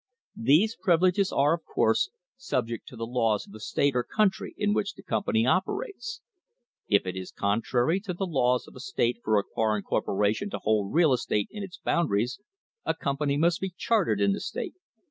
These privileges are, of course, subject to the laws of the state or country in which the company operates. If it is contrary to the laws of a state for a foreign corporation to hold real estate in its boun daries, a company must be chartered in the state.